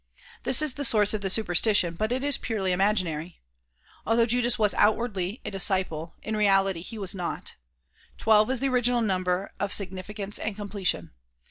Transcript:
This is the source of the superstition but it is purely imaginary. Although Judas was outwardly a dis ciple, in reality he was not. Twelve is the original number of sig nificance and completion.